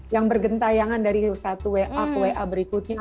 yang bergentayangan dari satu wa ke wa berikutnya